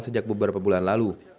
sejak beberapa bulan lalu